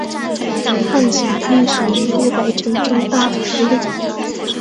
汉景帝时一度改称中大夫令。